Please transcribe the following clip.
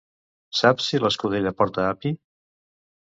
Saps si l'escudella porta api?